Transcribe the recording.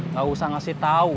gak usah ngasih tau